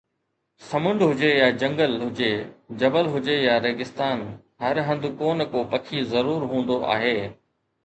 سمنڊ هجي يا جنگل هجي، جبل هجي يا ريگستان، هر هنڌ ڪو نه ڪو پکي ضرور هوندو آهي.